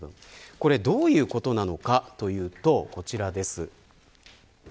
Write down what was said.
これどういうことなのかというとこちらです。